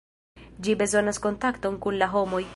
Ĝi bezonas kontakton kun la homoj.